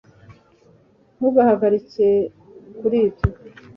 ntugahagarike kuri ibyo